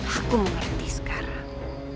aku mengerti sekarang